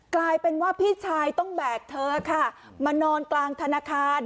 กลายเป็นว่าพี่ชายต้องแบกเธอค่ะมานอนกลางธนาคาร